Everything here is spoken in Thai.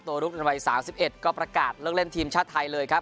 ตัวลุกธนาภัย๓๑ก็ประกาศเลิกเล่นทีมช่าไทยเลยครับ